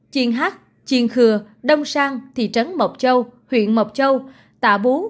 chiền hắc chiền khừa đông sang thị trấn mộc châu huyện mộc châu tạ bú